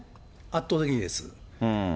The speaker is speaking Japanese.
圧倒的にです。